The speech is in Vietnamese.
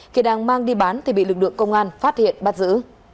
khi đang mang đi bán thì bị lực lượng công an phát hiện bắt giữ